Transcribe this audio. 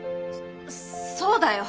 そそうだよ。